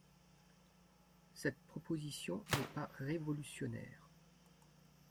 Cette proposition n’est pas révolutionnaire.